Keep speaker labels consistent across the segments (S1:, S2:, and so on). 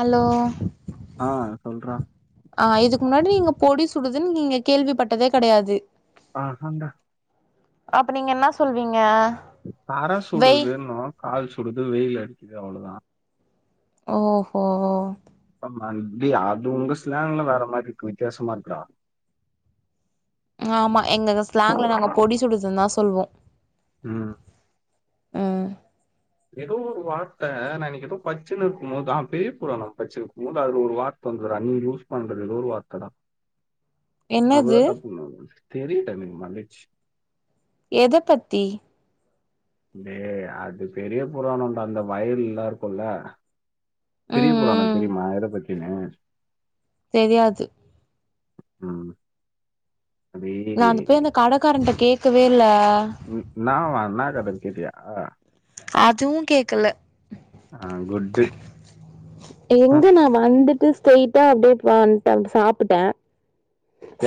S1: Allow
S2: ஆ சொல்றா
S1: ஆ இதுக்கு முன்னாடி நீங்க பொடி சுடுதுன்னு நீங்க கேள்விப்பட்டதே கெடையாது
S2: பாஹண்ட
S1: அப்ப நீங்க என்ன சொல்வீங்க
S2: தர
S1: வெய்
S2: சுடுதுன்னுவோ கால் சுடுது வெயில் அடிக்குது அவ்ளோதா
S1: ஓஹோ
S2: ஆமா இடி அது உங்க ஸ்லாங்ல வேற மாரி இருக்கு வித்தியாசமா இருக்குடா
S1: ஆமா எங்க ஸ்லாங்ல நாங்க பொடி சுடுதுன்னு தா சொல்வோ
S2: ம்
S1: ம்
S2: எதோ ஒரு வார்த்தை நா இன்னைக்கி எதோ பட்சுனுருக்கும் போதுதா பேய போடுவாங்க நா படுச்சுனுருக்கும் போது அதுல ஒரு வார்த் தந்துரா நீங்க யூஸ் பண்ற எதோ ஒரு வார்த்த தா
S1: என்னது
S2: அவதா தப்பு தெரியு டைமிங் மகிழ்ச்சி
S1: எத பத்தி
S2: டேய் அது பெரிய புராணம் அந்த வயல் எல்லாம் இருக்கும்ல்ல பெரிய
S1: ம்
S2: புராணம்
S1: ம்
S2: தெரியுமா எத பத்தினு
S1: தெரியாது
S2: ஆ
S1: நா அந்த போய் அந்த கடக்காரன்ட்ட கேட்கவே இல்ல
S2: ம் என்னவா என்ன கதன் கேட்டியா
S1: அதுவும் கேக்கல
S2: ஆ குட்டு ஆ
S1: எங்க நா வந்துட்டு ஸ்ட்ரெய்ட்டா அப்டியே வன்டேன் சாப்புட்டே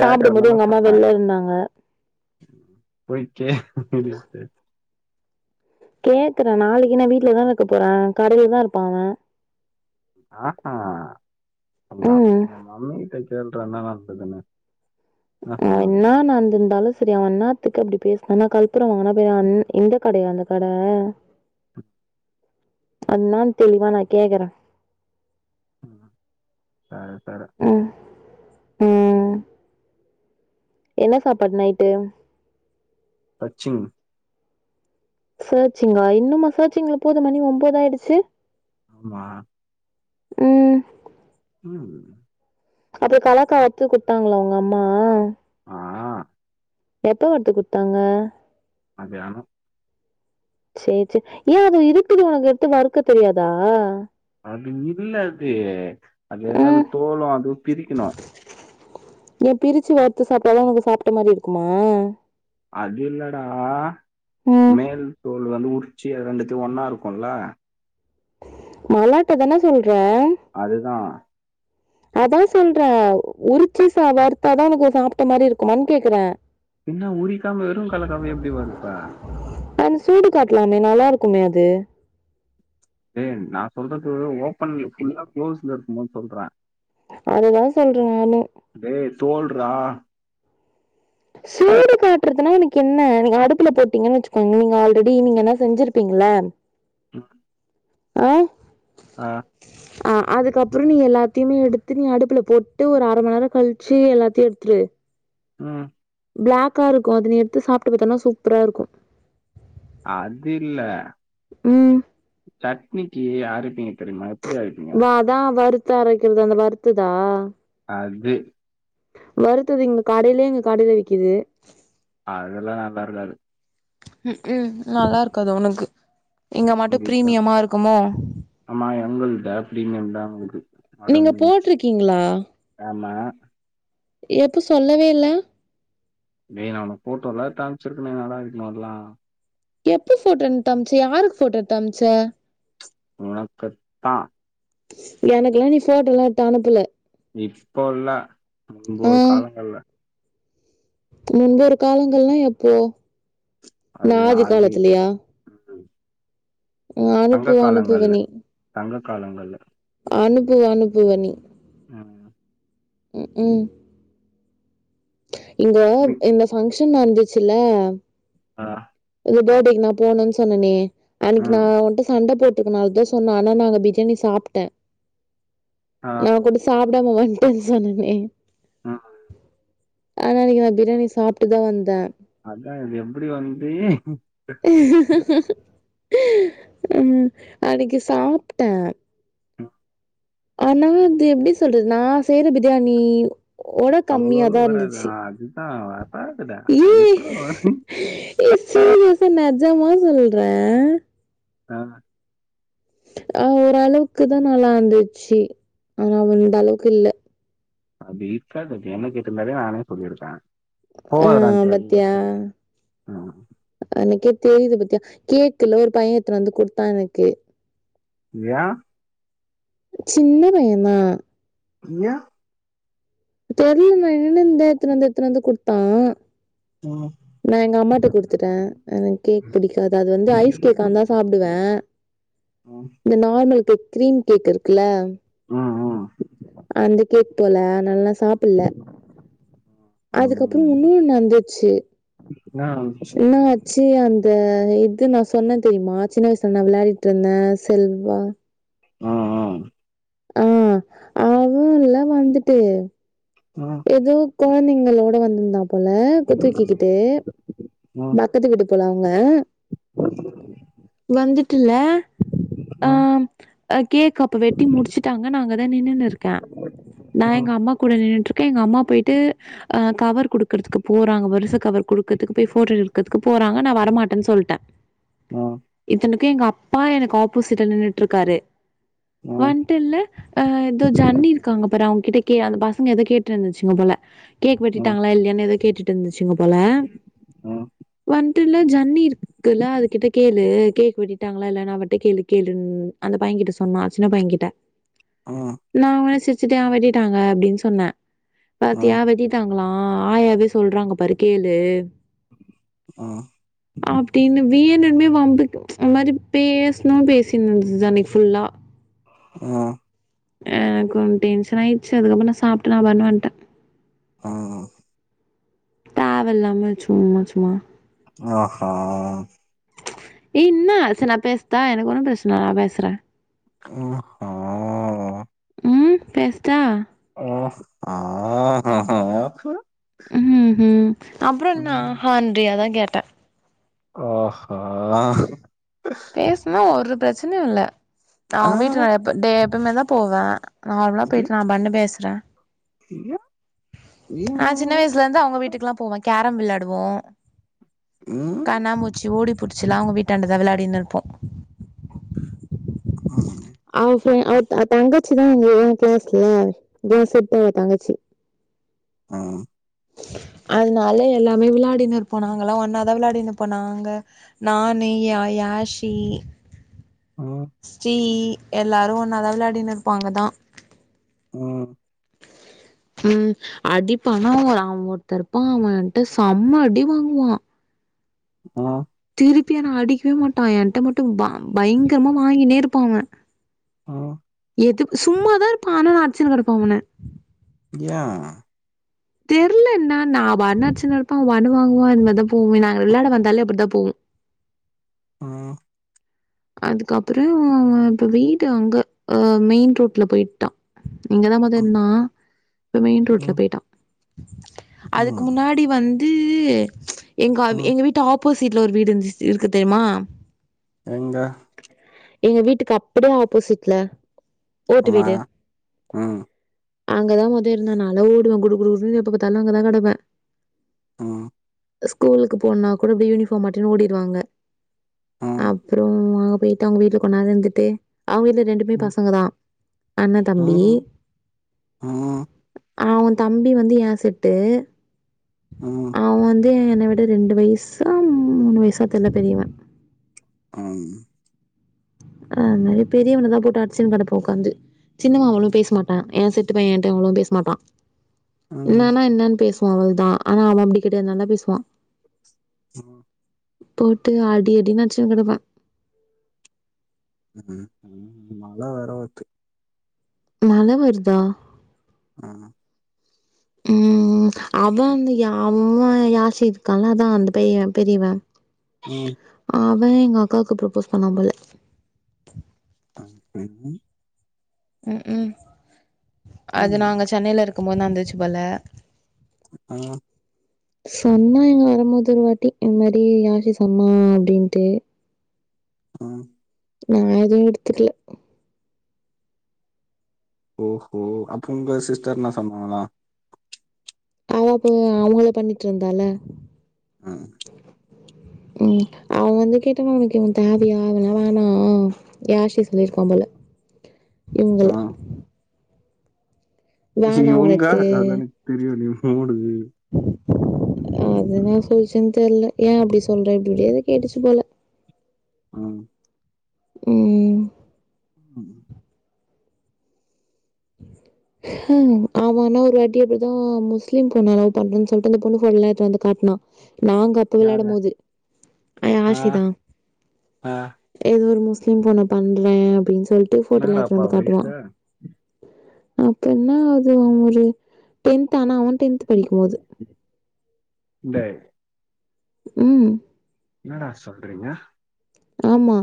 S1: சாப்புடும் போது
S2: தானே
S1: எங்க அம்மா
S2: சொன்னேன்
S1: வெளில இருந்தாங்க
S2: போய் கேக்க வேண்டியதான
S1: கேக்குறே நாளைக்கு நா வீட்லதான இருக்க போறே கடையில தா இருப்பா அவ
S2: ஆ ஆஹா உங்க அம்
S1: ம்
S2: உங்க மம்மி கிட்ட கேள்றான்னு தா நா சொல்றே
S1: அ என்ன நடந்திருந்தாலு சேரி அவன் எண்ணாத்துக்கு அப்படி பேசினான் நா கல்புரம் வாங்குனா பெரிய இந்த கடையா அந்த கட
S2: ஆ
S1: அது என்னன்னு தெளிவா நா கேக்குறே
S2: ம் சேரி சேரி
S1: ம் ம். என்ன சாப்பாடு நைட்டு
S2: கச்சிங்
S1: சேர்ச்சிங்கா இன்னுமா சர்ச்சிங்கல போது மணி ஒன்பது ஆயிடுச்சு
S2: ஆமா
S1: உம்
S2: உம்
S1: அப்புறம் கலக்கா அடுத்து குடுத்தாங்களா உங்க அம்மா
S2: ஆ
S1: எப்போ வந்து குடுத்தாங்க
S2: மதியானம்
S1: சேரி சேரி ஏன் அது இருட்டுல உனக்கு எடுத்து வறுக்க தெரியாதா
S2: அது இல்லது அது என்னது
S1: ம்.
S2: தோலும் அது பிரிக்கணு
S1: ஏ பிரிச்சு வறுத்து சாப்ட்டாதா உனக்கு சாப்ட்ட மாரி இருக்குமா
S2: அது இல்லடா
S1: ம்.
S2: மேல் தோல் வந்து உறிச்சி ரெண்டுத்தி ஒன்னா இருக்கும்ல
S1: மளாட்டு தானே சொல்றே
S2: அதுதா
S1: அதா சொல்றே உரிச்சி சா வறுத்தா தா உனக்கு சாப்ட்ட மாரி இருக்குமானு கேக்குறே
S2: பின்ன உறிக்காம வெறும் கலக்காம எப்டி வறுப்ப
S1: அந்த சூடு காட்டலாமே நல்லா இருக்குமே அது
S2: ஏ நா சொல்றது ஓபன்ல ஃபுல்லா குளோஸ்ல இருக்குமோன்னு சொல்றே
S1: அதுதா சொல்றே நானு
S2: டேய் சோல்றா
S1: சூடு காட்டுறதுனா உனக்கு என்ன நீங்க அடுப்புல போட்டீங்கன்னு வச்சுக்கோங்க நீங்க ஆல்ரெடி நீங்க என்ன செஞ்சிருப்பீங்கள
S2: ஆ
S1: ஆ
S2: ஆ
S1: ச ஆ அதுக்கப்றோ நீ எல்லாத்தியுமே எடுத்து நீ அடுப்புல போட்டு ஒரு அர மண் நேரோ கழிச்சி எல்லாத்தியு எடுத்துரு
S2: ம்
S1: பிளாக்காருக்கு அத நீ எடுத்து சாப்ட்டு பாத்தனா சூப்பராருக்கு
S2: அது இல்ல
S1: ம்
S2: சட்னிக்கு அரைப்பீங்க தெரிமா எப்டி அரைப்பிங்க
S1: அதா வறுத்து அரைக்றது அந்த வறுத்து தா
S2: அது
S1: வறுத்தது இங்க காடைலே இங்க கடைல விக்கிது
S2: அதுலா நல்லா இருக்காது
S1: ம் க்கும் நல்லாருக்காது உனக்கு இங்க மட்டு
S2: கண்டிப்பா
S1: பிரீமியமா இருக்குமோ
S2: ஆமா எங்குள்ட்ட பிரீமியம் தா இருக்கு
S1: நீங்க
S2: அடங்கு
S1: போட்டிருக்கீங்களா
S2: ஆமா
S1: எப்போ சொல்லவே இல்ல
S2: நீ அவன ஃபோட்டோல காமிச்சிருக்குணு நல்லா இருக்குன்னுன்லா
S1: எப்ப ஃபோட்டோ எந்த்து அம்ச்ச யாருக்கு ஃபோட்டோ எத்து அம்ச்ச
S2: உனக்குத்தா
S1: எனக்குலா நீ ஃபோட்டோலா எத்து அனுப்புல
S2: இப்போ இல்ல முன்பு
S1: ஆ
S2: ஒரு காலங்கள்ல
S1: முன்பொரு காலங்கள்னா எப்போ நா
S2: அது ஆதி
S1: காலத்துலயா
S2: முன்பு சங்க
S1: அனுப்புவ அனுப்புவ
S2: காலங்கள்ல
S1: நீ
S2: சங்க காலங்கள்ல
S1: அனுப்புவ அனுப்புவ நீ
S2: ம்
S1: ம் க்கும் இங்க
S2: மி-
S1: இந்த ஃபங்க்ஷன் நடந்துச்சுல
S2: ஆ
S1: இந்த படேக்கு நா போனுன் சொன்னனே அன்னைக்கு நா
S2: ம்
S1: உன்ட்ட சண்ட போட்டு இதனால் தான் சொன்ன ஆனா நா அங்க பிரியாணி சாப்ட்டே
S2: ஆ
S1: நா ஒகிட் சாப்டாம வன்ட்டன் சொன்னே
S2: ஆ
S1: ஆனா அன்னைக்கு நா பிரியாணி சாப்ட்டு தா வந்தே
S2: அதா இது எப்டி வந்து
S1: ம் அன்னைக்கு சாப்ட்ட
S2: ஆஹ
S1: ஆனா அது எப்டி சொல்றது நா செய்ற பிரியாணி ஓட
S2: அவ்வளோ அளவு
S1: கம்மியாதா
S2: வராது.
S1: இருந்துச்சு
S2: ஆ, அதுதான் வராதுடா.
S1: ஏ
S2: அது எப்புட்றா வரும்?
S1: சீரியஸா நெஜமா சொல்றே
S2: ஆ
S1: ஆ ஓரளவுக்கு தா நல்லாருந்துச்சு ஆனா வ அந்த அளவுக்கு இல்ல
S2: அப்டி இருக்காது நீ என்ன கேட்ருந்தாலே நானே சொல்லிருப்பே
S1: ஆ
S2: போவாத டா அது தெரிஞ்சுக்கு ம் ம்
S1: ஒனக்கே தெரிது பாத்தியா கேக்குல ஒரு பையன் எடுத்துரு வந்து குத்தான் எனக்கு
S2: யா
S1: சின்ன பையனா
S2: நீயா
S1: தெரில இவந்தா இந்த எடுத்துனு வந்து எடுத்துனு வந்து குடுத்தா
S2: ஆ
S1: நா எங்க அம்மாட்ட குடுத்துட்டே எனக்கு கேக் பிடிக்காது அது வந்து ஐஸ் கேக்காருந்தா சாப்டுவே
S2: ம்,
S1: நார்மல் கேக் க்ரீம் கேக் இருக்குல்ல
S2: ம் ம்
S1: அந்த கேக் போல நல்லா சாப் இல்ல
S2: ம்,
S1: அதுக்கப்றோ
S2: ம்.
S1: இன்னொனு நடந்துச்சு
S2: ஆ இப்ப சொ
S1: என்னா ஆச்சு அந்த இது நா சொன்னே தெரியுமா சின்ன வய்சுல நா விளாடிட்ருந்தே செல்வா
S2: அ ஆ
S1: ஆ ஆ ஊர்ல வந்துட்டு
S2: ஆ
S1: எதோ குழந்தைங்களோட வந்திருந்தா போல கு துகிக்கிட்டு
S2: ம்,
S1: பக்கத்து வீட்டு போல அவங்க வந்துட்டுல
S2: ஆ
S1: ம் அ கேக் அப்ப வெட்டி முடிச்சுட்டாங்க நா அங்கதா நின்னுனுருக்கே நா
S2: ம்,
S1: எங்க அம்மா கூட நின்னுட்ருக்கே எங்க அம்மா போய்ட்டு ஆ கவர் குடுக்கற்துகு போறாங்க வருச கவர் குடுக்கற்துகு போய் போட்டோ எடுக்கற்துகு போறாங்க நா வரமாட்டன் சொல்ட
S2: ஆ
S1: இத்தனைக்கு எங்க அப்பா எனக்கு ஆப்போசிட்ல நின்னுட்ருக்காரு
S2: ம், ம்,
S1: வன் டுல்ல அ தோ ஜன்னி இருக்காங்க பாரு அவுங்க கிட்ட கே அந்த பசங்க எதோ கேட்ருந்துச்சுங்க போல கேக்
S2: ம்,
S1: வெட்டிடாங்ளா இல்லையானு எதோ கேட்டுட்ருந்துச்சுங்க போல
S2: ம், ம்,
S1: வன்டுல ஜன்னி இருக்குள்ள அது கிட்ட கேளு கேக்கு வெட்டிட் டாங்ளா இல்லையான் அவட்ட கேளு கேளுன் அந்த பையகிட்ட சொன்னா சின்ன பைய கிட்ட
S2: ஆ
S1: நா உடனே சிரிச்சுட்டே ஆ வெட்டிட்டாங்க அப்டின் சொன்ன
S2: ம்,
S1: பாத்தியா வெட்டிட் டாங்ளா ஆயாவே சொல்றாங்க பாரு கேளு
S2: ஆ
S1: வேணும்னே வம்புக்கு ஒர்மாரி பேசுணுன் பேசின்ருந்தது அன்னிக்கு ஃபுல்லா
S2: ஆ
S1: எனக் கொ டென்ஷனாய்டுச்சு அதுக்கப்றோ நா சாப்ட்டு நா பாட்டுகு வன்ட்டே
S2: ஆ
S1: தவல்லாம சும்மா சும்மா
S2: ஆஹா
S1: ஏ இன்ன செரி நா பேசடா எனக்கு ஒன்னு ப்ரச்சன இல்ல நா பேசுற
S2: ஒ ஹா
S1: ம் பேஸ்டா
S2: ஒ ஆஹஹா
S1: ம் ஹும் அப்றோ என்ன ஆஹன்றியே அதா கேட்ட
S2: ஆஹா
S1: பேசுனா ஒரு ப்ரச்சனயு இல்ல அவ
S2: ஆஹா
S1: வீட்டுல நா எப்ப டே எப்பவ்மே தா போவ நார்மலா போயிட்டு நா பண்ணு பேசுறே நா சின்ன வயசுலயிருந்து அவுங்க வீட்டுக்கேல்லா போவோ கேரம் வெளாடுவோ
S2: ம்
S1: கண்ணாமுச்சி ஓடி புடிச்செல்லா உங்க வீட்டாண்டத வெளாடின்னு இருப்போ
S2: ம்
S1: அவ ஃப்ரெண் அவ தங் தங்கச்சிதா ஏ க்ளாஸ்ல ஏ செட் அவ தங்கச்சி
S2: ஆஆ
S1: அதனால எல்லாமே விளாடினு இருப்போ நாங்கலா ஒன்னாதா விளாடினு இருப்போ நாங்க. நானு யாயாஷி.
S2: ம்
S1: ஸ்ரீ எல்லாரு ஒன்னாதா விளாடின்னு ருப்பாங்க தா.
S2: உம்
S1: ம் அடிப்பானுவூரா அவே ஒருத்தேருப்பா அவேன்ட்ட சம்ம அடி வாங்குவா.
S2: ஆ
S1: திருப்பினா அடிக்கவே மாட்டா என்ட்ட மட்டு ப பைங்கரமா வாங்கினே ருப்பா அவே
S2: ஆ
S1: எதுக் சும்மாதா ருப்பா ஆனா அட்சுனுக்ருப்பா அவென
S2: ய் யா
S1: தெர்ல என்னான்னு அவ அண்ணா அச்சுனு ருப்பா அவ அடி வாங்குவா இனிமே தா போவு நாங்க விளாட வந்தாலே அப்படிதா போவு
S2: ம்
S1: அதுக்கப்றோ அவ இப்ப வீடு அங்க அ மெயின் ரோட்ல பொய்ட்டா இங்கதா மொத ருந்தா இப்ப மெயின் ரோட்ல போயிட்டா அதுக்கு முன்னாடி வந்து எங்க எங்க வீட்டு ஆப்போஷிட்ல ஒரு வீடு இருந்துச்சு இருக்கு தெரியுமா
S2: எங்க
S1: எங்க வீட்டுக்கு அப்டியே ஆப்போஷீட்ல ஓட்டு
S2: அம்மா
S1: வீடு
S2: ம்
S1: அங்கதா மொத இருந்த நால ஓடுவே குடு குடுன்னு எப்ப பாத்தாலு அங்கதா கடபே
S2: ஆ
S1: ஸ்கூலுக்கு போனா கூட அப்டி யூனிஃபார்ம் மாட்டினு ஓடின்னு வாங்க
S2: ம்
S1: அப்றோ அங்க போயிட்டு அவங்க வீட்ல கொன்நேர இருந்துட்டு அவுங்க வீட்ல ரெண்டு மே
S2: ம்
S1: பசங்க தா அண்ணே
S2: ம்
S1: தம்பி
S2: ம்
S1: அவே தம்பி வந்து ஏ செட்டு
S2: ம்
S1: அவே வந்து என்ன விட ரெண்டு வயசோ மூணு வயசோ தெரில பெரியவே
S2: ஆம்
S1: அதுனால பெரியவன தா போட்டு அடிச்சின்னு கடப்போ உட்காந்து சின்னவே அவளு பேச மாட்டா ஏ செட்டு பையன்னு அவளு பேச மாட்டா
S2: ம்
S1: என்னான்னா என்னான்னு பேசுவா அவ்ளொதா ஆனா அவே அப்டி கெடயாது நல்லா பேசுவா
S2: ஆ
S1: போய்ட்டு அடி அடின்னு அடிச்சுனு கெடப்பா
S2: ம் ம் மழ வேற வர்த்து
S1: மழ வர்தா
S2: ஆமா
S1: ம் ம் அவே வந்து யா அவ்வே யாஷி இர்க்கால்ல அதா அந்த பையே பெரிய்யவே
S2: ம்
S1: அவெ எங்க அக்காவுக்கு ப்ரப்போஸ் பண்ணாம்போல
S2: [unintelligible]
S1: ம் ம் அது
S2: ம்
S1: நாங்க சென்னைல இருக்கும் போது நடந்துச்சு போல
S2: [unintelligible]
S1: சொன்னா இங்க வரம்போது ஒரு வாட்டி இந்த மாரி யாசி சொன்னா அப்டின்ட்டு
S2: ஆ
S1: நா எதுவு எடுத்துக்ல
S2: ஓஹோ அப்ப உங்க சிஸ்டர் என்னா சொன்னாங்களா
S1: அவ அப்போ அவங்கள பண்ணிட்டு இருந்தால
S2: ம்
S1: ம் அவங்க வந்து கேட்டோன ஒனக்கு இவன் தேவையா அவல்லா வேணா யாசி சொல்லிருக்காம் போல இவ்ங்கள
S2: ம்
S1: வேணா
S2: இவ்ங்க
S1: உனக்கு
S2: வேணானு எனக்கு தெரியுனு ஓடுது
S1: அது என்ன சொல்லுச்சுன் தெர்ல ஏ அப்டி சொல்ற அப்டி இப்டி எதோ கேட்டுச்சு போல
S2: ம்
S1: ம்
S2: ம்
S1: உஹ ம் அவெ ஆனா ஒரு வாட்டி அப்டிதா முஸ்லிம் பொண்ண லவ் பண்றன் சொல்ட்டு அந்த பொண்ணு போட்டோலா எத்துட்டு வந்து காட்னா நாங்க அப்ப
S2: யாரு
S1: வெளாடும் போது அ
S2: ஆ,
S1: யாஷிதா
S2: ஆ.
S1: ஏதோ ஒரு முஸ்லீம் பொண்ண பண்றே அப்டின் சொல்ட்டு போட்டோல்லா எத்துட்டு
S2: என்னடாப்பா
S1: வந்து காட்டுவா
S2: வயசு
S1: அப்ப என்னா அது அவெ ஒரு டென்த் ஆனா அவ டென்த் படிக்கும்போது
S2: [unintelligible]
S1: ம்
S2: என்னடா சொல்றீங்க
S1: ஆமா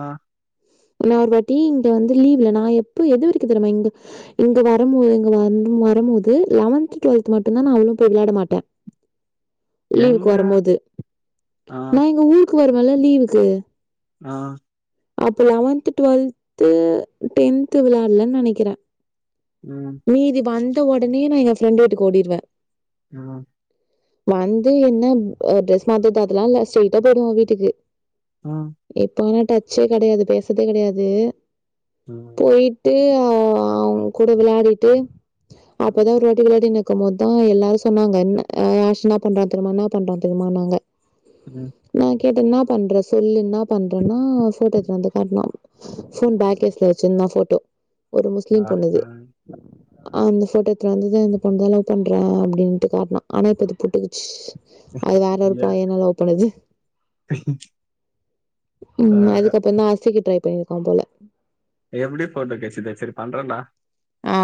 S2: ஆ
S1: நா ஒருவாட்டி இங்க வந்து லீவ்ல நா எப்ப எதுவரைக்கு தெரியுமா இந்த இங்கே வரம்போது இங்க வந்து வரம்போது லெவன்த் டுவல்த் மட்டுந்தா நா அவ்ளோ போய் வெளாட மாட்டே லீவுக்கு
S2: எங்க
S1: வரம்போது
S2: ஆ,
S1: நா இங்க ஊருக்கு வருவேன்ல லீவுக்கு
S2: நா
S1: அப்போ லெவன்த்து டுவெல்த்து டென்த்து விளையாட்லன்னு நெனைக்கிறே
S2: ம்
S1: வீதி வந்த ஒடனே நா எங்க ஃப்ரெண்ட் வீட்டுக்கு ஓடிருவே
S2: நா
S1: வந்து என்ன அ ட்ரெஸ் மாத்துறது அதெல்லா இல்ல ஸ்ட்ரைட்டா போயிடுவே வீட்டுக்கு
S2: அ
S1: இப்போ ஆனா டச்சே கெடையாது பேசதே கெடையாது
S2: [unintelligible]
S1: போய்ட்டு அ அவ்ங்க கூட விளயாடிட்டு
S2: ம்,
S1: அப்பதா ஒரு வாட் டி விளையாடி நிக்கம் போதா எல்லாரு சொன்னாங்க என்ன ஆ யாஷ் என்னா பண்றான் தெரிமா என்னா பண்றான் தெரிமானாங்க உ
S2: ம்
S1: நா கேட்டே என்னா பண்றே சொல்லு என்னாப் பண்றேன்னா ஃபோட்டோ எட்த்னு வந்து காட்னா ஃபோன் பேக் கேஸ்ல வெச்சிர்ந்தா ஃபோட்டோ ஒரு
S2: ஆ,
S1: முஸ்லிம்
S2: ஆ,
S1: பொண்ணுது அந்த ஃபோட்டோத்துல இர்ந்து இந்த பொண்தா லவ் பண்றே அப்டின்ட்டு காட்னா ஆனா இப்ப அது புட்டுக்கிச் அது வேற ஒரு
S2: ஏ,
S1: பையன லவ் பண்ணுது
S2: ஆ,
S1: ம் அதுக்கப்பற்ந்தா அர்சிக்கு ட்ரை பண்ணினு இருக்காம் போல
S2: எப்படி போட்ட கேசு இது செரி பண்றேன்ட
S1: ஆ